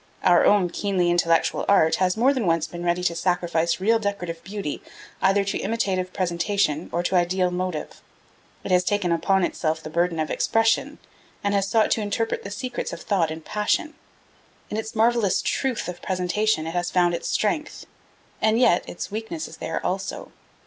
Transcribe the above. Our own keenly intellectual art has more than once been ready to sacrifice real decorative beauty either to imitative presentation or to ideal motive. It has taken upon itself the burden of expression, and has sought to interpret the secrets of thought and passion. In its marvellous truth of presentation it has found its strength, and yet its weakness is there also.